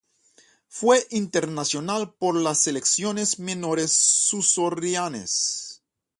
Fue internacional por las selecciones menores surcoreanas.